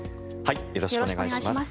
よろしくお願いします。